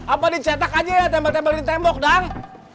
apa dicetak aja ya tembel tembelin tembok dang